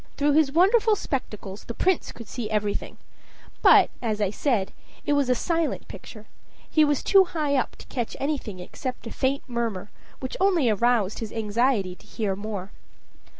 Through his wonderful spectacles the Prince could see everything; but, as I said, it was a silent picture; he was too high up to catch anything except a faint murmur, which only aroused his anxiety to hear more.